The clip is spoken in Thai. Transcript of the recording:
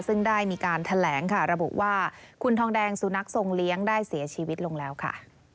ซึ่งได้มีการแถลงค่ะระบุว่าคุณทองแดงสุนัขทรงเลี้ยงได้เสียชีวิตลงแล้วค่ะ